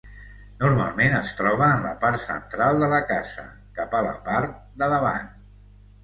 Normalment es troba en la part central de la casa, cap a la part de davant.